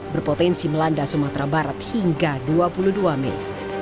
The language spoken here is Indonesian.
berpotensi melanda sumatera barat hingga dua puluh dua mei